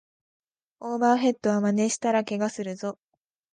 オーバーヘッドはまねしたらケガするぞ